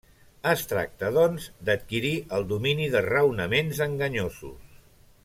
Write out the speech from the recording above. Es tracta, doncs, d'adquirir el domini de raonaments enganyosos.